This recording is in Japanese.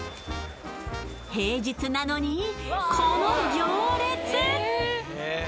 平日なのに、この行列。